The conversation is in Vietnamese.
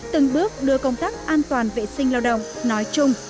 từng bước đưa công tác an toàn vệ sinh lao động nói chung